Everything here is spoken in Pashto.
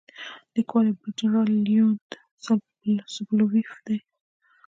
لیکوال یې برید جنرال لیونید سوبولیف دی.